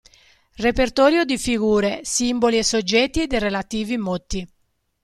Repertorio di figure, simboli e soggetti e dei relativi motti".